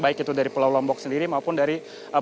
baik itu dari pulau lombok sendiri maupun dari